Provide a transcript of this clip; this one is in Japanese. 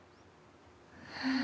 うん。